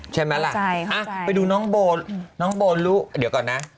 ใช่ไหมล่ะอ้าวไปดูน้องโบนน้องโบนลูกเดี๋ยวก่อนนะ